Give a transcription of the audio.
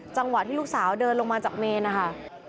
จังหวะที่ลูกสาวเดินลงมาจากเมนนะคะ